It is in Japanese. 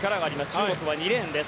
中国は２レーンです。